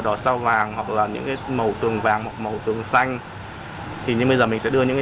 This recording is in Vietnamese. đỏ sao vàng hoặc là những cái màu tường vàng hoặc màu tường xanh thì như bây giờ mình sẽ đưa những cái